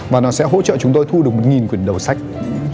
và nó sẽ hỗ trợ chúng tôi thu được một quyền đầu sách